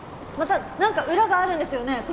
また何か裏があるんですよね